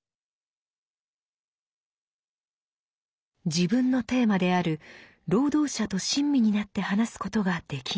自分のテーマである労働者と親身になって話すことができない。